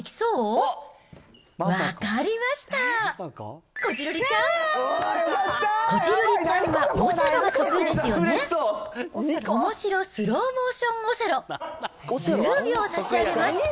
おもしろスローモーションオセロ、１０秒差し上げます。